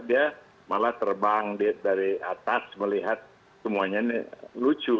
dia malah terbang dari atas melihat semuanya ini lucu